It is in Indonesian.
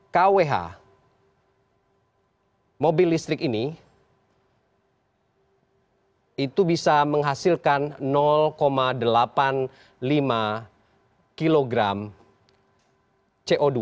kwh mobil listrik ini itu bisa menghasilkan delapan puluh lima kg co dua